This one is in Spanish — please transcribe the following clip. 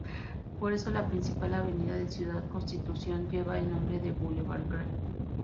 Por eso, la principal avenida de Ciudad Constitución, lleva el nombre de "Boulevard Gral.